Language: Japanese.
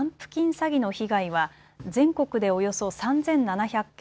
詐欺の被害は全国でおよそ３７００件